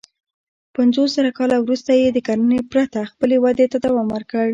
پنځوسزره کاله وروسته یې د کرنې پرته خپلې ودې ته دوام ورکړ.